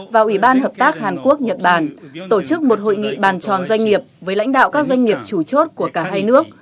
và ủy ban hợp tác hàn quốc nhật bản tổ chức một hội nghị bàn tròn doanh nghiệp với lãnh đạo các doanh nghiệp chủ chốt của cả hai nước